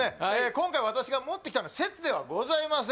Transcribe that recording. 今回私が持ってきたのは説ではございません